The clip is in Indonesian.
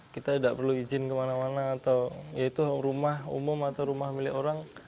kita tidak perlu izin kemana mana atau ya itu rumah umum atau rumah milik orang